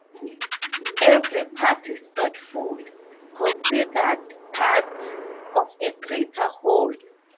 Every part is thoughtful, considered, part of a greater whole.